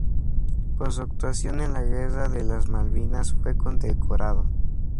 Por su actuación en la Guerra de las Malvinas fue condecorado.